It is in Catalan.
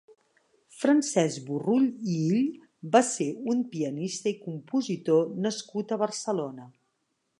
Francesc Burrull i Ill va ser un pianista i compositor nascut a Barcelona.